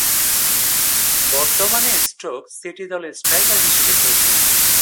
বর্তমানে Stoke City দলে striker হিসেবে খেলছেন।